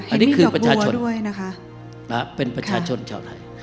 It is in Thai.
อันนี้คือประชาชนเป็นประชาชนชาวไทย